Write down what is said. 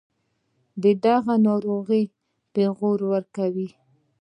دَدغه ناروغۍپېغور ورکوي